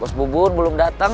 bos bubun belum datang